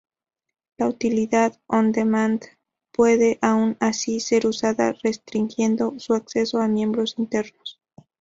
La utilidad on-demand puede aun así ser usada restringiendo su acceso a miembros internos.